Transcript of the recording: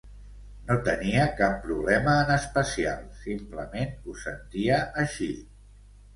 No tenia cap problema en especial, simplement ho sentia així.